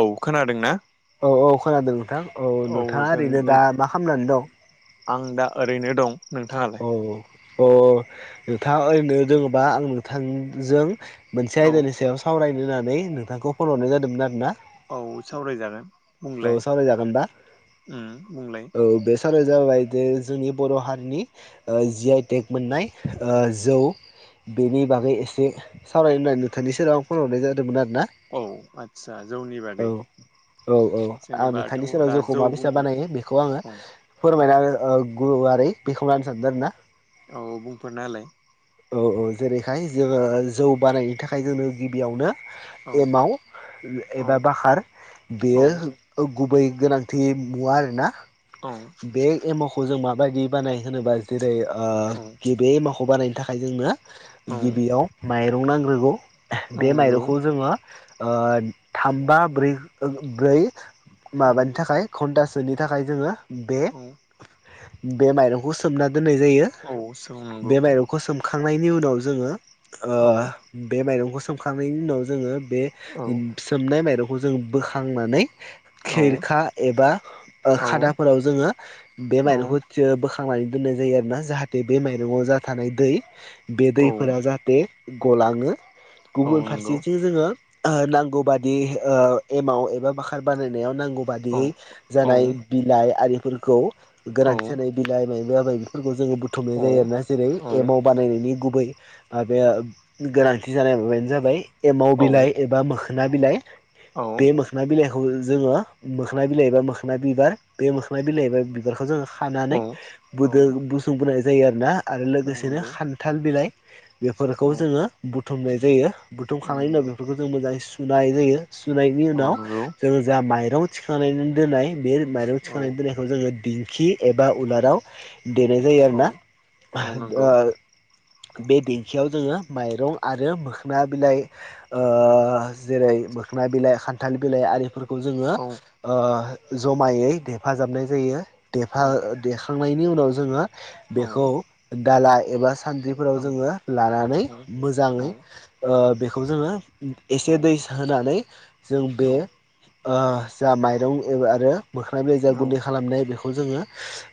औ खोनादों ना औ औ खोनादों नोंथां औ नोंथाङा ओरैनो दा मा खालामनानै दं आं दा ओरैनो दं नोंथाङालाय अ नोंथाङा ओरैनो दोङोबा आं नोंथांजों मोनसे औ आयदानि सायाव सावरायनो होननानै नोंथांखौ फन हरनाय जादोंमोन आरो ना औ सावरायजागोन बुंलाय औ सावरायजागोनबा उम बुंलाय औ बे साव- -रायनाया जाबाय ज जोंनि बर' हारिनि जि आइ टेक मोननाय जौ बेनि बागै एसे सावरायनो होननानै नोंथांनि सेराव फनहरनाय जादों औ आदसा जौनि औ बागै औ औ आं जेनेबाथ' नोंथांनि सेराव दा जोंखौ जौ माब बुं बेसे बानायगो बेखौ आङो औ औ फोरमायना गुवारै बेखेवना होनो सानदों आरो ना औ बुंफोर नालाय औ औ जेरैहाय जोङो जौ बानायनायनि थाखाय जोङो गिबियावनो औ एमाव औ एबा बखार औ बेयो गुबै गोनांथि मुवा आरोना औ बे एमाव खौ जों माबायदि बानायो होनोबा जेरै ओ गिबि एमावखौ बानायनो थाखाय जोंनो औ गिबियाव माइरं नांग्रोगौ औ बे नंगौ माइरंखौ जोङो थाम बा बै ब्रै औ माबानि थाखाय घन्टा नि थाखाय जोङो औ बे माइरंखौ सोमना दोननाय जायो औ सौ नंगौ बे माइरंखौ सोमखांनायनि उनाव जोङो ओ औ बे माइरंखौ सोमखांनायनि उनाव जोङो बे औ सोमनाय माइरं खौ जों बोखांनानै खेरखा एबा औ खादा फोराव जोङो बे औ माइरंखौ बोखां- -नानै दोननाय जायो आरोना जाहाथे बे माइरंआव जा थानाय दै बे औ दैफोरा जाहाथे गलाङो औ गुबुन नंगौ फारसेथिं जोङो नांगौ बादि ओ एमाव एबा बाखार बानायनायाव नांगौ औ बादियै औ जानाय बिलाइ आरिफोरखौ औ गोनांथि जानाय बिलाइ म आबाय बेफोरखौ जोङो बुथुमनाय जायो आरोना जेरै एमाव बानायनायनि गुबै माबाया गोनांथि जानाय माबायानो जाबाय एमाव औ बिलाइ एबा मोखोना बिलाइ औ बे मोखोना बिलाइखौ जोङो मोखोना बिलाइ ए बा मोखोना बिबार बे मोखोना बिलाइ बा बिबारखौ जोङो औ खानानै औ बद बुसुंबोनाय जायो आरोना आरो लोगोसेनो नंगौ खान्थाल बिलाइ बेफोरखौ औ जोङो बुथुमनाय जायो औ बुथुमखांनायनि उनाव नंगौ बेफोरखौ जों मोजाङै सुनाय जायो सुनायनि औ उनाव नंगौ जोङो जा माइरं थिखांनानै दोननाय बे माइरं औ खांनानै दोननायखौ जोङो दिंखि एबा उलाराव देनाय जायो औ आरोना औ नंगौ ओ बे देंखियाव जोङो माइरं आरो मोखोना बिलाइ ओ औ जेरै मोखोना बिलाइ खान्थाल बिलाइ आरिफोरखौ जोङो औ ओ जमायै देर हेफाजाबनाय जायो दे औ देखांनायनि उनाव जोङो औ बेखौ दाला एबा औ सान्द्रिफोराव जोङो लानानै मोजाङै औ ओ बेखौ जोङो औ एसे दै होनानै जों बे ओ जा माइरं आरो मोखोना बिलाइ जा गुन्दै खालामनाय बेखौ जोङो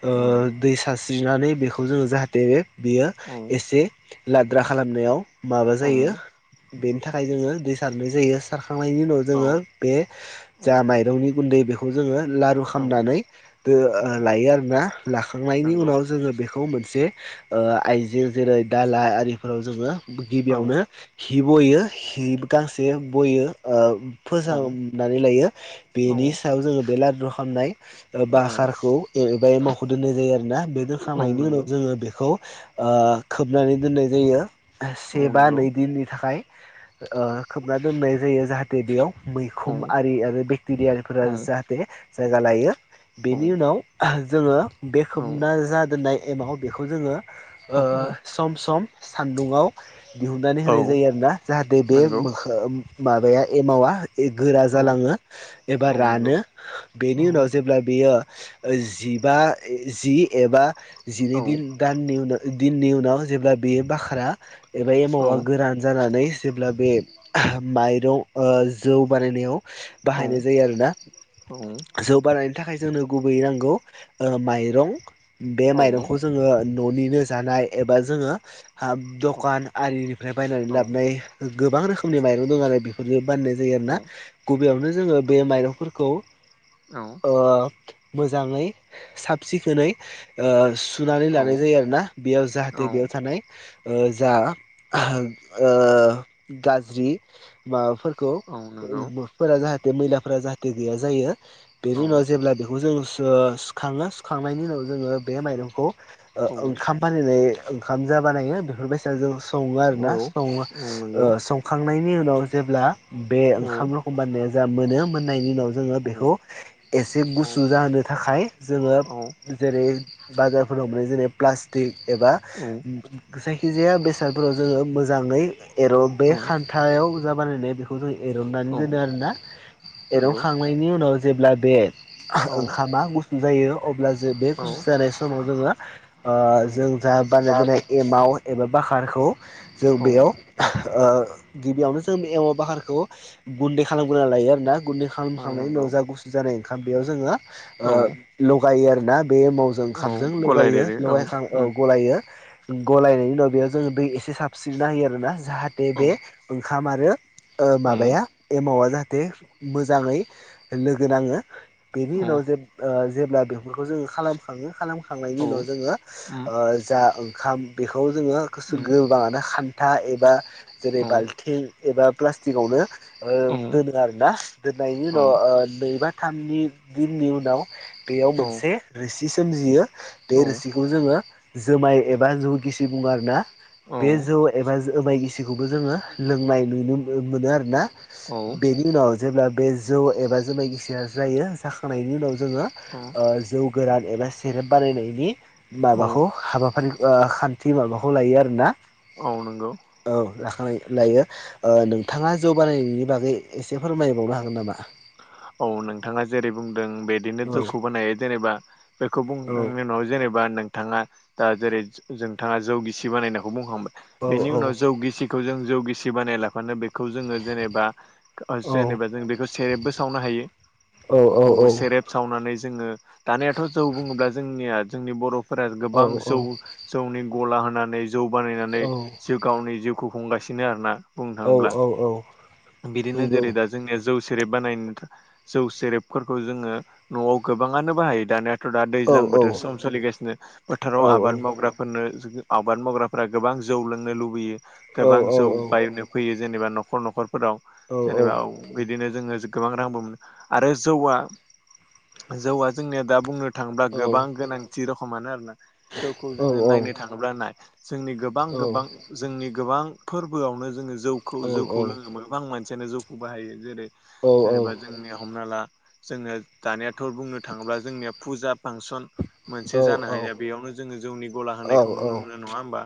ओ औ दै सारस्रिनानै बेखौ जोङो जाहाथे बे बियो एसे लाद्रा खालामनायाव माबा औ जायो बेनि थाखाय जोङो दै सारनाय जायो सार खांनायनि उनाव जोङो बे जा माइरंनि गुन्दै बेखौ जोङो लारु खालामनानै लायो आरोना लाखांनायनि नंगौ उनाव जोङो बे मोनसे आइजें जेरै दाला आरिफोराव जोङो औ गिबियावनो हि बयो हि गांसे बयो ओ फोसांनानै लायो औ बेनि सायाव जोङो बे लादु खालामनाय बाखारखौ एबा एमावखौ दोननाय जायो आरोना बे औ दोनखांनायनि नंगौ उनाव जोङो बेखौ ओ खोबनानै दोननाय जायो औ से बा नंगौ नै दिननि थाखाय ओ खोबना दोननाय जायो जाहाथे बेयाव औ मैखोम आरि आरो औ बेक्टेरियाफोरा जाहाथे जायगा लायो औ बेनि उनाव जोङो बे खोमबना जि दोननाय एमाव बेखौ जोङो औ सम सम सान्दुंयाव दिहुननानै होनाय औ जायो आरो ना जाहाथे बे नंगौ मोखा माबाया एमावा गोरा औ जालाङो एबा औ नंगौ औ रानो बेनि औ उनाव जेब्ला जिबा जि एबा जिनै दिन दाननि उनाव दिननि उनाव जेब्ला बेयो बाखारा एबा एमावा गोरान जानानै जेब्ला बे माइरं ओ जौ बानायनायाव बाहायनाय जायो आरोना जौ बानायनो थाखाय जोंनो गुबैयै नांगौ माइं बे माइरंखौ जोङो ननिनो जानाय एबा जोङो हा औ दखान आरिनिफ्राय बायनानै औ लाबोनाय गोबां रोखोमनि माइरं दं आरो बेफोरजों बाननाय जायो औ आरोना गबैयावनो जोङो बे माइरंफोरखौ औ मोजाङै साब सिखोनै सुनानै लानाय औ जायो आरो ना बेयाव जाहाथे बेयाव औ थानाय जा ओ गाज्रि माबाफोर खौ औ नंगौ फोर जाहाथे मैलाफोरा जाहाथे गैया जायो औ बेनि उनाव जेब्ला बेखौ जों सुखाङो सुखांनायनि उनाव जोङो बे माइरंखौ औ ओंखाम फाननाय ओंखाम जा बानायो बेफोर बेसाद जों सङो आरोना औ सङो औ नंगौ संखांनायनि उनाव जेब्ला बे औ ओंखाम रखम बाननाया जा मोनो मोननायनि उनाव जोङो औ बेखौ एसे औ गुसु जोहोनो थाखाय जोङो औ जेरै बाजारफोराव मोन जेरै प्लास्टिक एबा खिजाया बेसादफोराव जोङो मोजाङै एर बे खान्थायाव जा बानायनाया बेखौ जों एरननानै दोनो आरोना नंगौ एरनखांनायनि उनाव जेब्ला बे औ ओंखामा गुसु जायो अब्ला जे बे औ गुसु जानाय समाव जोङो जों जा औ बानायना दोननाय एमाव एबा बकारखौ जों औ बेयाव ओ गिबियावनो जों एमाव पाहारखौ गुन्दै खालामग्रोनानै लायो आरोना गुन्दै खालामखांनायनि नंगौ उनाव जा गुसु जानाय ओंखाम बेयाव जोङो औ लगायो आरोना बे मावजों औ ओंखामजों लगायो गलायदेरो लगायखां औ उम गलायो गलायनायनि उनाव बेयाव जोङो दै एसे साबस्रिना होयो आरोना जाहाथे बे ओंखाम आरो ओ औ माबाया एमावा जाहाथे मोजाङै लोगो नाङो बेनि औ उनाव जे जेब्ला बेफोरखौ जोङो खालाम खाङो खालाम औ खांनायनि उनाव जोङो उम ओ जा ओंखाम बेखौ जोङो गुसु उम गोबाङानो था एबा जेरै औ बाल्थिं एबा प्लास्टिकआवनो ओ औ दोनो आरोना दोननायनि उनाव ओ नैबा थामनि दिननि उनाव बेयाव मोनसे रोसि सोमजियो बे रोसिखौ जोङो जोमाय एबा जौ गिसि बुङो आरोना बे जौ एबा जोमाय गिसिखौबो जोङो लोंनाय नुनो मो मोनो आरोना बेनि उनाव जेब्ला बे जौ एबा जुमाय गिसिया जायो जाखांनायनि उनाव जोङो ओ जौ गोरान एबा सेरेप बानायनायनि औ माबाखौ हाबाफारि खान्थि माबाखौ लायो आरोना औ नंगौ औ लाखानाय लायो ओ नोंथाङा जौ बानायनायनि बागै एसे फोरमायबावनो हागोन नामा औ नोंथाङा जेरै बुंदों बिदिनो औ जौखौ बोनायो जेनेबा बेखौ बुंखांनायनि औ उनाव जेनेबा नोंथाङा दा जेरै नोंथाङा जौगिसि बानायनायखौ बुंखांबाय औ बेनि उनाव जौ गिसिखौ जों जौ गिसि बानाय लाफानो बेखौ खौ जोङो जेनेबा अ औ जेनेबा जों बेखौ सेरेबबो सावनो हायो औ सेरेब सावनानै जोङो दानियाथ' जौ बुङोब्ला जोंनिया जोंनि बर'फोरा औ गोबां जौ जौनि गला होनानै जौ बानायनानै जिउ गावनि जिउखौ खुंगासिनो आरो ना बुंनो औ थाङोब्ला औ औ औ बिदिनो नंगौ जेरै दा जोंनिया जौ सेरेब बानायनो था जौ सेरेबफोरखौ जोङो न'आव गोबाङानो बाहायो दानिया थ' दा औ दैज्लां औ बोथोर सम सोलिगासिनो फोथाराव औ आबाद औ मावग्राफोरनो आबाद मावग्राफोरा गोबां जौ लोंनो लुबैयो औ गोबां औ जौ बायनो फैयो जेनेबा न'खर न'खरफोराव औ जेनेबा बिनो जोङो गोबां रांबो मोनो आरो जौआ जौआ जोंनिया दा बुंनो थाङोब्ला गोबां गोनांथि रखोमानो आरोना जौखौ जोङो नायनो थाङोब्ला नाय जोंनि गोबां गोबां जोंनि गोबां फोरबोआवनो जोङो जौखौ जौखौ औ लोङो [unintelligible] [unintelligible] जौखौ बाहायो जेरै औ औ औ जेनेबा जोंनि हमना ला जोङो दानियाथ' बुंनो थाङोब्ला जोंनिया फुजा फांसन औ मोनसे जानो हाया औ बेयावनो जोङो जौनि गला औ होनायखौ नुनो मोनो नङा होमबा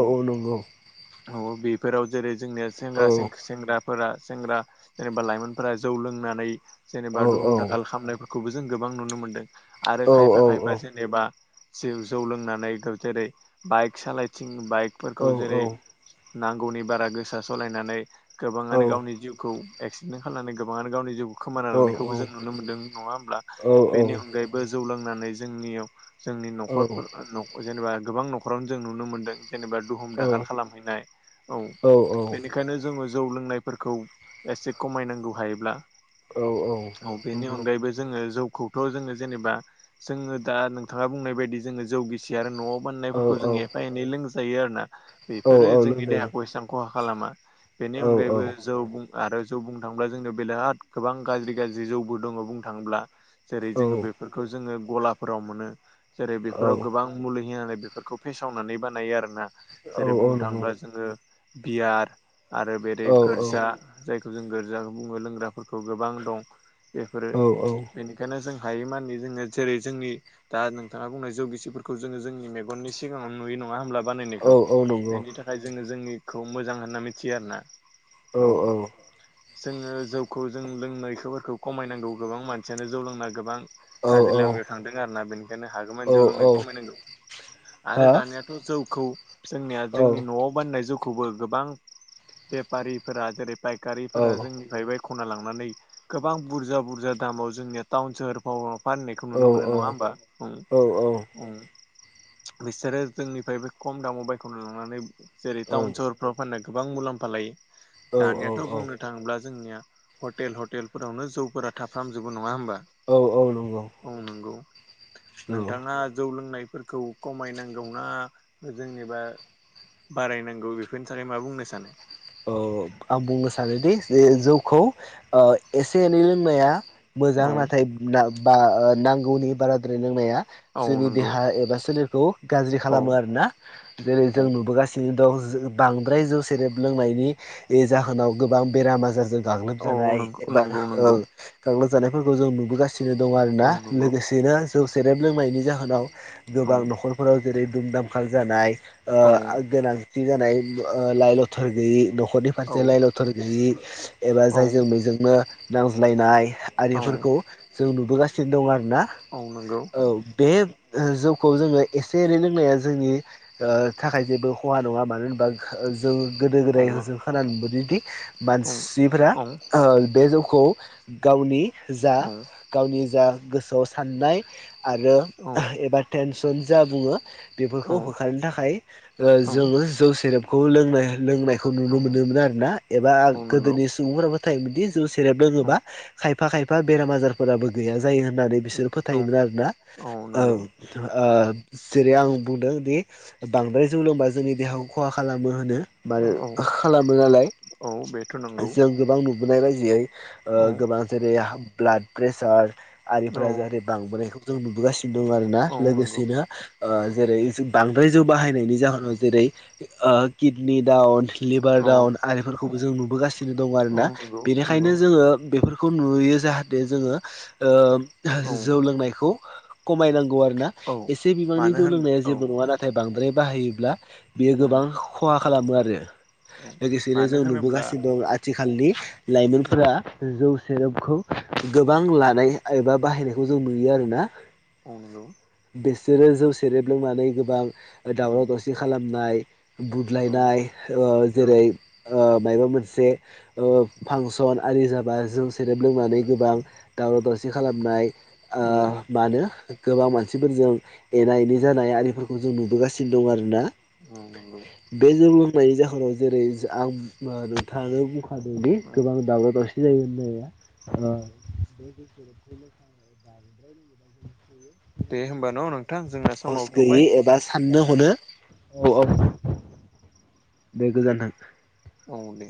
औ औ औ बेफोराव जेरै जोंनिया औ सेंग्रा सेंग्राफोरा सेंग्रा जेनेबा लाइमोनफोरा जौ लोंनानै औ जेनेबा औ दुहुम दाखाल खालामनायफोरखौबो जों गोबां नुनो मोन्दों आरो औ औ खायफा खायफा जेनेबा जौ जौ लोंनानै जेरै बाइक सालायथिं औ बाइकफोरखौ औ जेरै नांगौनि बारा गोसा सालायनानै औ गोबाङानो गावनि जिउखौ एक्सिडेन्ट खालामनानै गोबाङानो गावनि जिउ खोमाना औ लायानायखौबो जों नुनो मोनदों नङा होमब्ला बेनि औ नंगौ अनगायैबो जौ लोंनानै जोंनियाव जोंनि न'खरफोर न'जेनेबा गोबां न'खरावनो जों नुनो मोनदों जेनेबा दुहुम दाखाल खालामहैनाय औ बेनिखायनो जोङो जौ लोंनायफोरखौ एसे खमायनांगौ हायोब्ला औ बेनि अनगायैबो जोङो जौ खौथ' जोङो जेनेबा जोङो दा नोंथाङा बुंनाय बायदि जोङो जौगिसि आरो न'आव औ बाननायफोरखौ जोङो एफा एनै लोंजायो आरोना औ बेफोरो औ जोंनि लोंजायो देहाखौ एसेबां खहा खालामा बेनि औ औ अनगायैबो जौ बुं आरो जौ बुंनो थाङोब्ला जोंनियाव बेराद गोबां गाज्रि गाज्रि जौ बो दङ बुंनो थाङोब्ला जेरै औ जोङो बेफोरखौ जोङो गलाफोराव मोनो जेरै बेफोराव औ गोबां मुलि होनानै बेफोरखौ फेसावनानै बानायो आरो ना जेरै औ बुंनो नंगौ थाङोब्ला जोङो बियार आरो बेरै औ गोरजा जायखौ जों गोरजा बुङो लोंग्राफोरखौ गोबां दं बेफोरो औ बेनिखायनो जों हायो मानानि जोङो जेरै जोंनि दा नोंथाङा बुंनाय जौगिसिफोरखौ जोङो जोंनि मेगननि सिगाङाव नुयो नङा होनोमब्ला बानायनायखौ औ नंगौ बेनि थाखाय जोङो जोंनिखौ मोजां होनना मिथियो आरो ना औ औ जोङो जौखौ जों लोंनायफोरखौ खमायनांगौ गोबां मानसियानो जौ लोंना गोबां औ गाज्रि लामायाव थांदों आरोना बेनिखायनो हागौमानि जौ औ लोंनायखौ औ खमायनांगौ आरो हा दानियाथ' जौखौ जोंनिया औ जोंनि न'आव बानायनाय जौखौबो गोबां बेफारिफोरा जेरै औ फायखारिफोरा जोंनिफाय बाय- खना लांनानै गोबां बुरजा बुरजा दामाव जोंनिया टाउन सोहोरफाव फानैनायखौ औ नुनो मोनो नङा होमबा बिसोरो जोंनिफ्रायबो खम दामाव बायख'नानै लांनानै जेरै टाउन सहरफ्राव फाननायखौ गोबां मुलाम्फा लायो औ औ दानियाथ' बुंनो थाङोब्ला जोंनिया हटेल हटेलफोरावनो जौफोरा थाफ्रामजोबो नङा होमबा औ औ नंगौ औ नंगौ औ नोंथाङा जौ लोंनायफोरखौ खमायनांगौना जोंनिबा बारायनांगौ बेफोरनि थाखाय मा बुंनो सानो ओ आं बुंनो सानोदि जे जौखौ ओ एसे एनै लोंनाया मोजां औ नाथाय ना बा ओ नांगौनि बाराद्राय लोंनाया औ जोंनि नंगौ देहा एबा सोलेर खौ गाज्रि औ खालामो आरोना जेरै औ जों नुबोगासिनो दं जों बांद्राय जौ सेरेब लोंनायनि ए जाहोनाव गोबां बेराम आजारजों औ गाग्लोबजानाय नंगौ एबा नंगौ ओ नंगौ गाग्लोबजानायफोरखौ जों नुबोगासिनो नो दं औ आरोना नंगौ लोगोसेनो जौ सेरेब लोंनायनि जाहोनाव औ गोबां न'खरफोराव जेरै दुम दामखाल जानाय ओ औ गेना गोरोनथि जानाय ओ लाय लथर लथर गैयि न'खरनि औ फारसे लााय लथर गैयि एबा औ जायजों मेजोंनो नांज्लायनाय औ आरिफोरखौ जों नुबोगासिनो दं आरो ना औ नंगौ औ बे जौखौ जोङो एसे एनै लोंनाया जोंनि ओ थाखाय जेबो खहा नङा मानो होनबा जों गोदो औ गोदायजों खोनानो मोनबोदोंदि औ मानसिफोरा औ ओ बे जौ खौ गावनि जा गावनि जा गोसोआव साननाय आरो एबा टेनसन जा बुङो बेफोरखौ होखारनो थाखाय ओ औ जोङो जौ सेरेबखौ लोंनाय लोंनाय खौ औ नुनो मोनोमोन आरोना एबा औ नंगौ गोदोनि सुबुंफोरा फोथायोमोन दि जौ सेरेब औ लोङोबा खाय फा खायफा बेराम आजारफोराबो गैया जायो होननानै बिसोर औ फोथायोमोन आरोना औ नंगौ ओं ओ जेरै आं बुंदों दि बांद्राय जौ लोंबा जोंनि देहाखौ खहा खालामो होनो मानो औ खालामो नालाय औ बेथ' नंगौ जों गोबां नुबोनाय बायदियै ओ औ गोबां जेरै ब्लाड प्रेसार औ आरिफोरा जाहाथै बांबोनायखौ जों नुबोगासिनो दं आरोना औ नंगौ लोगोसेनो ओ जेरै जों बांद्राय जौ बाहायनायनि जाहोनाव जेरै किडनि डाउन लिबार औ दाउन आरिफोरखौबो जों नुबोगासिनो दं आरो औ ना नंगौ नंगौ बेनिखायनो जोङो बेफोर खौ नुयो जाहाथे जोङो ओ औ जौ लोंनायखौ खमायनांगौ आरो ना औ एसे बिबांनि मानो जौ होन लोंनाया औ जेबो नङा नाथाय बांद्राय बाहायोब्ला बेयो औ गोबां खहा खालामो आरो औ लोगोसेनो मानो जों होनोब्ला नुबोगासिनो दं आथिखालनि औ लाइमोनफोरा जौ सेरपखौ गोबां लानाय एबा बाहायनायखौ जों नुयो आरोना औ नंगौ बिसोरो जौ सेरेब लोंनानै गोबां ओ औ दावराव दावसि खालामनाय बुदलायनाय औ ओ जेरै ओ मायबा मोनसे ओ फांसन आरि जाबा जौ सेरेब लोंनानै गोबां दावराव दावसि खालामनाय ओ औ मा होनो गोबां मानसिफोरजों एना एनि औ औ जानाय आरिफोरखौ खौ जों नुबोगासिनो दं आरो ना उम नंगौ बे जौ लोंनायनि जाहोनाव जेरै आं नोंथाङानो बुंखादोंनि औ गोबां दावराव दावसि [unintelligible] दे होमबानो न नोंथां जोंना हस समाव गैयि थौबाय एबा साननो हनो औ औ बे गोजोनथों औ दे